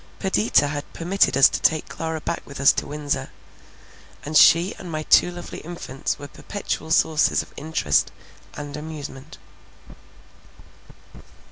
Perdita had permitted us to take Clara back with us to Windsor; and she and my two lovely infants were perpetual sources of interest and amusement.